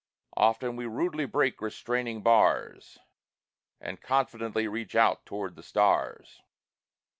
Often we rudely break restraining bars, And confidently reach out toward the stars.